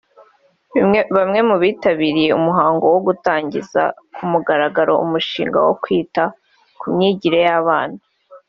Bmwe mu bitabiriye umuhango wo gutangiza ku mugaragaro umushinga wo kwita ku myigire y’abana